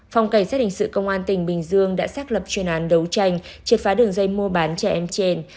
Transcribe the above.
phòng cảnh sát hình sự công an tỉnh bình dương đã xác lập chuyên án đấu tranh triệt phá đường dây mua bán trẻ em trên